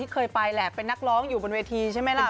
เคยไปแหละเป็นนักร้องอยู่บนเวทีใช่ไหมล่ะ